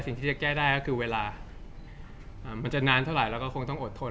สิ่งที่จะแก้ได้ก็คือเวลามันจะนานเท่าไหร่เราก็คงต้องอดทน